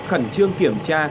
khẩn trương kiểm tra